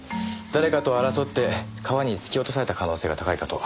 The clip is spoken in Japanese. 誰かと争って川に突き落とされた可能性が高いかと。